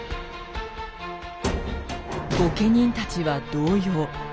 御家人たちは動揺。